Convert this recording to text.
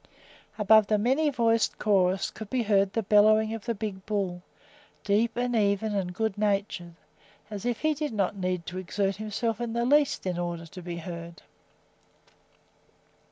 Above the many voiced chorus could be heard the bellowing of the big bull, deep and even and good natured, as if he did not need to exert himself in the least in order to be heard.